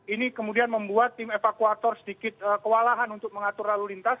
ini kemudian membuat tim evakuator sedikit kewalahan untuk mengatur lalu lintas